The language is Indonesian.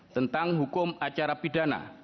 tentang hukum acara pidana